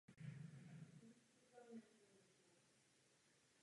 Jeho konstruktérem byl německý inženýr Ernst Heinkel.